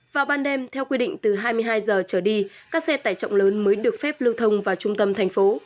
vào ban đêm theo quy định từ hai mươi hai giờ trở đi các xe tải trọng lớn mới được phép lưu thông vào trung tâm thành phố